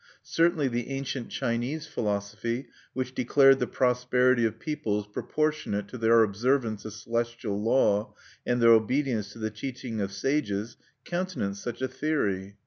Certainly the ancient Chinese philosophy, which declared the prosperity of peoples proportionate to their observance of celestial law and their obedience to the teaching of sages, countenanced such a theory.